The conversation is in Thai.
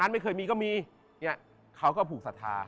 ไม่เคยมีก็มีเขาก็ผูกศรัทธา